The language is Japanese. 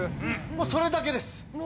もうそれだけです。